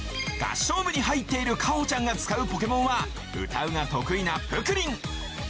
合唱部に入っているかほちゃんが使うポケモンはうたうが得意なプクリン。